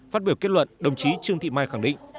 phát biểu kết luận đồng chí trương thị mai khẳng định